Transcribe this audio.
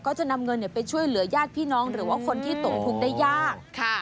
ก็จะนำเงินไปช่วยเหลือญาติพี่น้องหรือว่าคนที่ตกทุกข์ได้ยาก